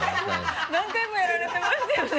何回もやられてましたよね？